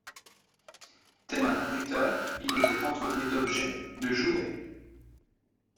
Tel un bruiteur, il était entouré d'objets, de jouets.